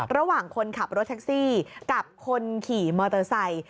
ระหว่างคนขับรถแท็กซี่กับคนขี่มอเตอร์ไซค์